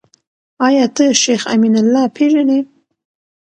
آيا ته شيخ امين الله پېژنې ؟